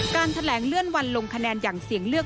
การแถลงเลื่อนวันลงคะแนนอย่างเสียงเลือก